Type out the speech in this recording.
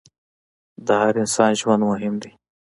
د هر انسان ژوند مهم دی.